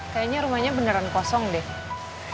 kayaknya rumahnya beneran kosong deh